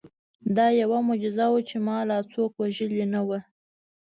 دا یوه معجزه وه چې ما لا څوک وژلي نه وو